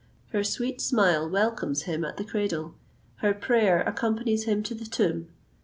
Her sweet smile welcomes him at the cradle; her prayer accompanies him to the tomb.